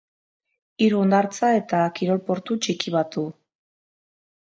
Hiru hondartza eta kirol-portu txiki bat du.